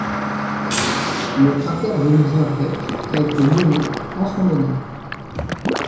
Le cratère vénusien Peck a été nommé en son honneur.